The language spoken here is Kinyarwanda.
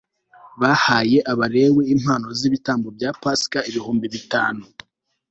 bahaye abalewi impano z'ibitambo bya pasika ibihumbi bitanu